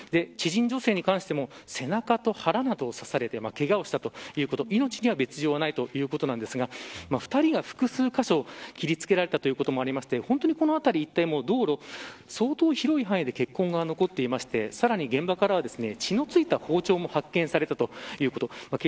知人女性に関しても、背中と腹などを刺されてけがをしたということで命には別条がないということですが２人が複数カ所切りつけられたということもありこの辺り一帯道路は相当広い範囲で血痕が残っていましてさらに、現場からは、血のついた包丁も発見されたということです。